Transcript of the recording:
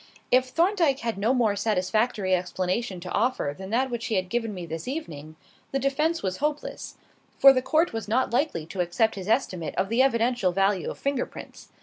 If Thorndyke had no more satisfactory explanation to offer than that which he had given me this evening, the defence was hopeless, for the court was not likely to accept his estimate of the evidential value of finger prints.